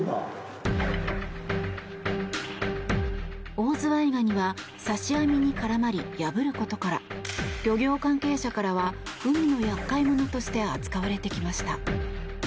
オオズワイガニは刺し網に絡まり、破ることから漁業関係者からは海の厄介者として扱われてきました。